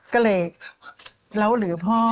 ก็เลยเราเหลือพ่อ